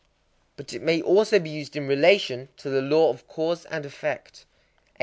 But it may also be used in relation to the law of cause and effect. 18.